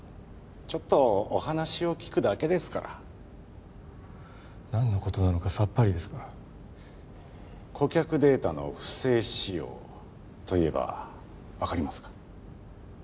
ちょっとお話を聞くだけですから何のことなのかさっぱりですが顧客データの不正使用と言えば分かりますか？